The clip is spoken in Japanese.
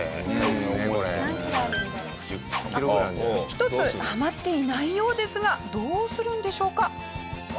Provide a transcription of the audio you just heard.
１つハマっていないようですがどうするんでしょうか？